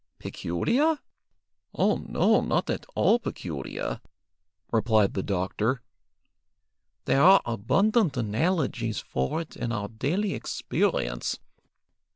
"Peculiar? Oh no, not at all peculiar," replied the doctor. "There are abundant analogies for it in our daily experience.